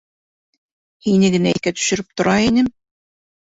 Һине генә иҫкә төшөрөп тора инем.